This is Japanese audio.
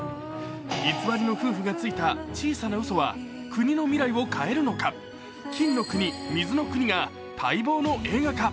偽りの夫婦がついた小さなうそは国の未来を変えるのか、「金の国水の国」が待望の映画化。